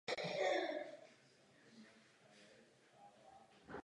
Sponzorem se stala společnost "Los Angeles Publishers Association".